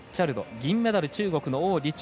銀メダルは中国の王李超。